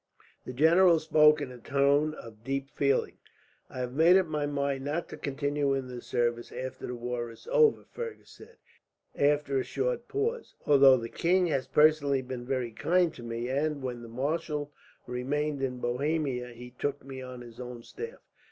The general spoke in a tone of deep feeling. "I have made up my mind not to continue in the service, after the war is over," Fergus said, after a short pause; "although the king has personally been very kind to me and, when the marshal remained in Bohemia, he took me on his own staff."